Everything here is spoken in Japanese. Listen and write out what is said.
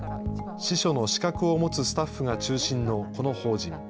司書の資格を持つスタッフが中心のこの法人。